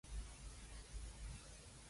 香港廢官個個月收幾十萬